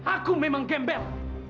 aku memang gembel